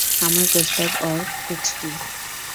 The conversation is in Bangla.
আমার প্রস্তাব ওর কুঁচকি।